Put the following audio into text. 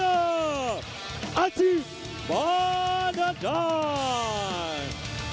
อาทิบาดาดาน